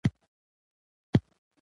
موږک د ځنګل په ځمکه کې پټ وي.